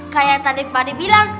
kayak tadi fadi bilang